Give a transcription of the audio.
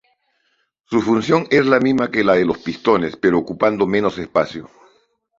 Su función es la misma que la de los pistones, pero ocupando menos espacio.